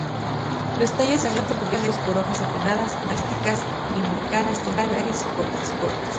Los tallos están completamente cubiertos por hojas aplanadas, dísticas, imbricadas, triangulares y cortas.